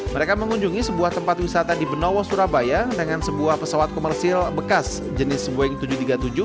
mereka mengunjungi sebuah tempat wisata di benowo surabaya dengan sebuah pesawat komersil bekas jenis boeing tujuh ratus tiga puluh tujuh